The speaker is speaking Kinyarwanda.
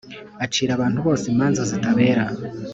acira abantu bose imanza zitabera.